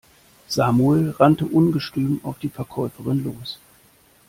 Samuel rannte ungestüm auf die Verkäuferin los.